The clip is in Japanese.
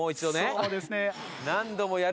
そうですね。